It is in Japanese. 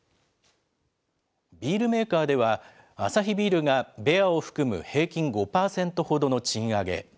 ビールメーカーでは、アサヒビールがベアを含む平均５％ほどの賃上げ。